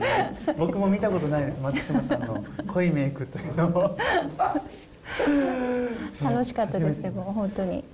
僕も見たことないです、楽しかったですけど、本当に。